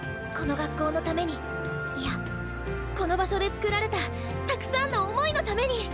この学校のためにいやこの場所でつくられたたくさんの想いのために！